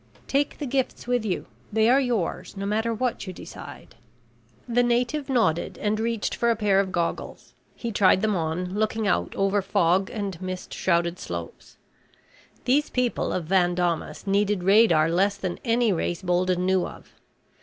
"Take the gifts with you. They are yours, no matter what you decide." The native nodded and reached for a pair of goggles. He tried them on, looking out over fog and mist shrouded slopes. These people of Van Daamas needed radar less than any race Bolden knew of.